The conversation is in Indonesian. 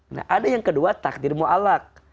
nah ada yang kedua takdir muallak